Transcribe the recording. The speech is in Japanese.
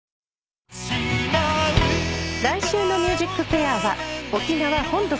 来週の『ＭＵＳＩＣＦＡＩＲ』は沖縄本土